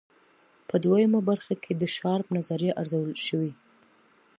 په دویمه برخه کې د شارپ نظریه ارزول شوې.